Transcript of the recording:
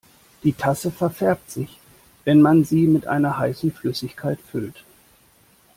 Die Tasse verfärbt sich, wenn man sie mit einer heißen Flüssigkeit füllt.